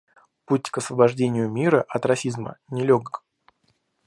Путь к освобождению мира от расизма нелегок.